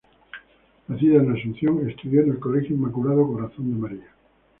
Nacida en Asunción, estudió en el Colegio Inmaculado Corazón de María.